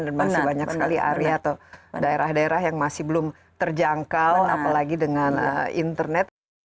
dan masih banyak sekali area atau daerah daerah yang masih belum terjangkau apalagi dengan internet